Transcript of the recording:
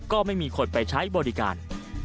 ไม่มีคนไปใช้บริการ